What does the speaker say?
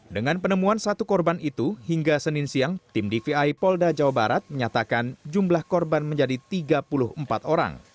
dengan penemuan satu korban itu hingga senin siang tim dvi polda jawa barat menyatakan jumlah korban menjadi tiga puluh empat orang